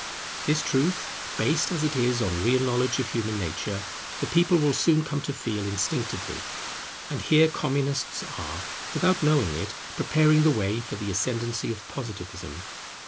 This truth, based as it is on real knowledge of human nature, the people will soon come to feel instinctively. And here Communists are, without knowing it, preparing the way for the ascendancy of Positivism.